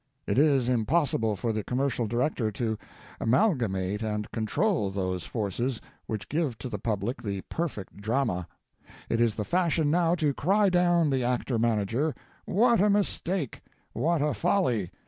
It is impossible for the commercial director to amalgamate and control those forces which give to the public the perfect drama. It is the fashion now to cry down the actor manager. What a mistake! What a folly!